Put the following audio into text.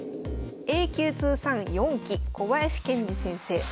Ａ級通算４期小林健二先生。